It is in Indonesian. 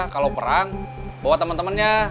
kalau perang bawa temen temennya